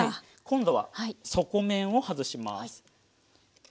今度は底面を外します。